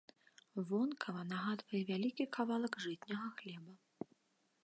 Вонкава нагадвае вялікі кавалак жытняга хлеба.